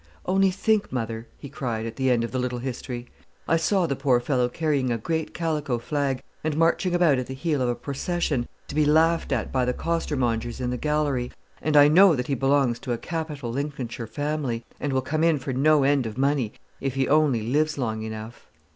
"Only think, mother!" he cried at the end of the little history. "I saw the poor fellow carrying a great calico flag, and marching about at the heel of a procession, to be laughed at by the costermongers in the gallery; and I know that he belongs to a capital Lincolnshire family, and will come in for no end of money if he only lives long enough.